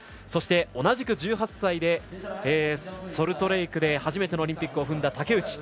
そして、同じく１８歳でソルトレークで初めてのオリンピックを踏んだ竹内。